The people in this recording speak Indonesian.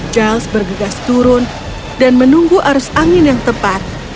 giles bergegas turun dan menunggu arus angin yang tepat